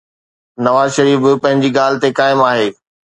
نواز شريف به پنهنجي ڳالهه تي قائم آهي.